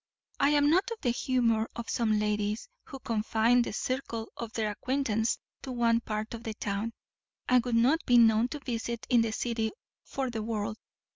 I am not of the humour of some ladies, who confine the circle of their acquaintance to one part of the town, and would not be known to visit in the city for the world.